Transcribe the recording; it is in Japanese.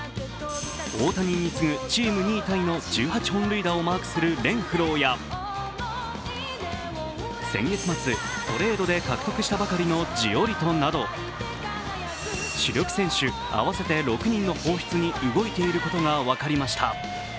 大谷に次ぐチーム２位タイの１８本塁打をマークするレンフローや先月末、トレードで獲得したばかりのジオリトなど、主力選手合わせて６人の放出に動いていることが分かりました。